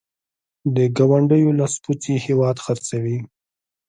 د ګاونډیو لاسپوڅي هېواد خرڅوي.